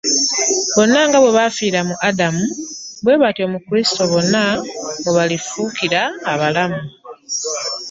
Bonna nga bwe baafiira mu Adamu, bwe batyo mu Kristo bonna mwe balifuukira abalamu.